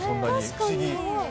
不思議。